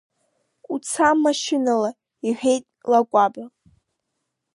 Уца машьынала, — иҳәеит Лакәаба.